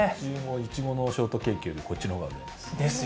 いちごのショートケーキよりもこっちの方が売れます。